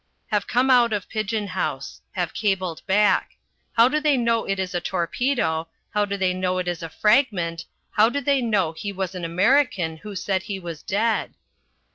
Have come out of pigeon house. Have cabled back: How do they know it is a torpedo, how do they know it is a fragment, how do they know he was an American who said he was dead?